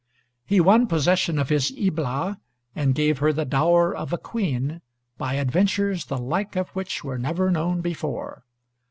He won possession of his Ibla and gave her the dower of a queen, by adventures the like of which were never known before.